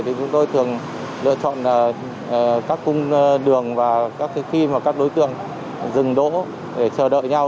thì chúng tôi thường lựa chọn các cung đường và các khi mà các đối tượng dừng đỗ để chờ đợi nhau